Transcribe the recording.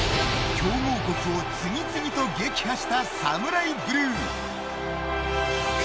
強豪国を次々と撃破したＳＡＭＵＲＡＩＢＬＵＥ。